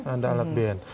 ada alat band